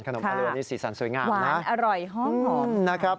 ขนมอลัวสีสันสวยงามหวานอร่อยห้องหอม